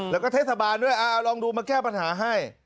แล้วก็เทศบาลด้วยเอาลองดูมาแก้ปัญหาให้